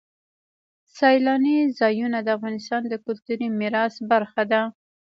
سیلانی ځایونه د افغانستان د کلتوري میراث برخه ده.